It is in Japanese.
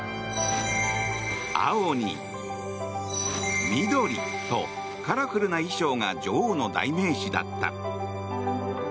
青に緑と、カラフルな衣装が女王の代名詞だった。